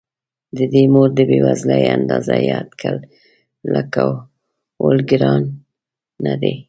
د دې مور د بې وزلۍ اندازه یا اټکل لګول ګران نه دي.